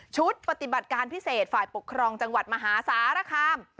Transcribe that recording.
ชุดปฏิบัติการพิเศษฝ่ายปกครองจังหวัดมหาสารคาม